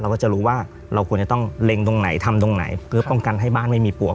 ก็จะรู้ว่าเราควรจะต้องเล็งตรงไหนทำตรงไหนเพื่อป้องกันให้บ้านไม่มีปวก